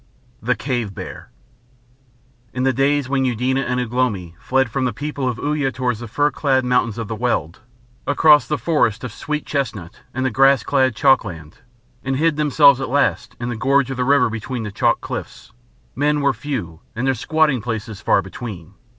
II THE CAVE BEAR In the days when Eudena and Ugh lomi fled from the people of Uya towards the fir clad mountains of the Weald, across the forests of sweet chestnut and the grass clad chalkland, and hid themselves at last in the gorge of the river between the chalk cliffs, men were few and their squatting places far between.